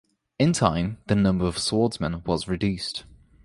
In time, the number of swordsmen was reduced.